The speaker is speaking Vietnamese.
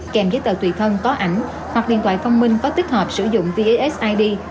kèm với tờ tùy thân có ảnh hoặc điện thoại phong minh có tích hợp sử dụng vasid